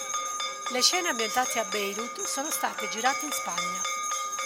Le scene ambientate a Beirut, sono state girate in Spagna.